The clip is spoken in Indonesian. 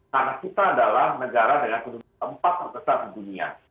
karena kita adalah negara dengan keuntungan empat terbesar di dunia